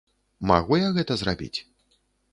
Магу я гэта зрабіць?